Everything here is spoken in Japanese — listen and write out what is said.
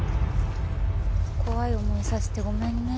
怖い思いさせてごめんね